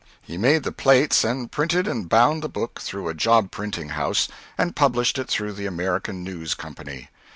He made the plates and printed and bound the book through a job printing house, and published it through the American News Company.